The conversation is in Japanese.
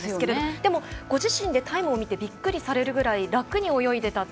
でも、ご自身でタイムを見てびっくりされるくらい楽に泳いでたって。